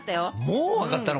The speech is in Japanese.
もう分かったの？